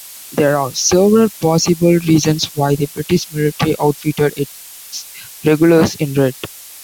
There are several possible reasons why the British military outfitted its Regulars in red.